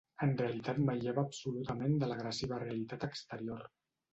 En realitat m'aïllava absolutament de l'agressiva realitat exterior.